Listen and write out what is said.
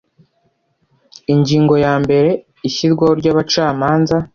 ingingo ya mbere ishyirwaho ry abacamanza